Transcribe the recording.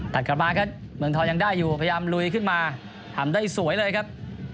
ตัดกลับมาครับเมืองทองยังได้อยู่พยายามลุยขึ้นมาทำได้สวยเลยครับ